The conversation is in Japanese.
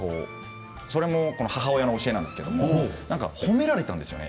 それも母親の教えなんですけど褒められたんですよね